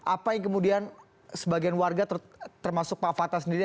apa yang kemudian sebagian warga termasuk pak fatah sendiri